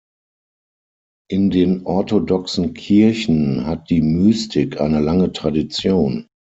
In den orthodoxen Kirchen hat die Mystik eine lange Tradition.